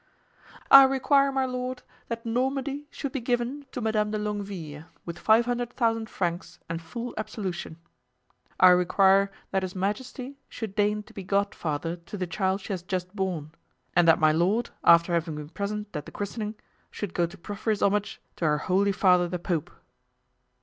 "I require, my lord, that Normandy should be given to Madame de Longueville, with five hundred thousand francs and full absolution. I require that his majesty should deign to be godfather to the child she has just borne; and that my lord, after having been present at the christening, should go to proffer his homage to our Holy Father the Pope."